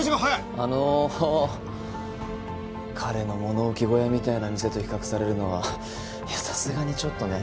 あの彼の物置小屋みたいな店と比較されるのはさすがにちょっとね。